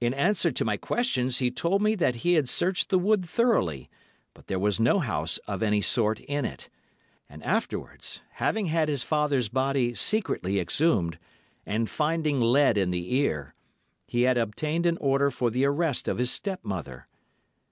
In answer to my questions he told me that he had searched the wood thoroughly, but there was no house of any sort in it, and afterwards, having had his father's body secretly exhumed, and finding lead in the ear, he had obtained an order for the arrest of his step mother.